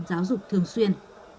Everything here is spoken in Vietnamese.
giáo dục thường xuyên